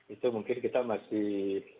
itu mungkin kita masih